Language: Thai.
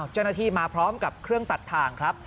เจ้าหน้าที่มาพร้อมกับเครื่องตัดทางครับ